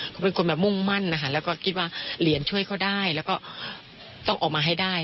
เขาเป็นคนแบบมุ่งมั่นนะคะแล้วก็คิดว่าเหรียญช่วยเขาได้แล้วก็ต้องออกมาให้ได้